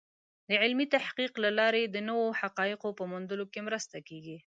د علمي تحقیق له لارې د نوو حقایقو په موندلو کې مرسته کېږي.